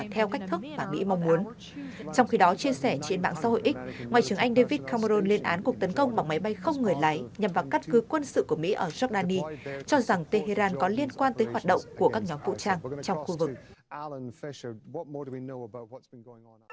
trong khi đó chia sẻ trên mạng xã hội x ngoại trưởng anh david cameron lên án cuộc tấn công bằng máy bay không người lái nhằm vào các cư quân sự của mỹ ở jordan cho rằng tehran có liên quan tới hoạt động của các nhóm vũ trang trong khu vực